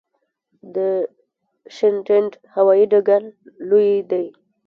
د شینډنډ هوايي ډګر لوی دی